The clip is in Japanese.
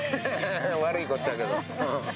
悪いこっちゃけど。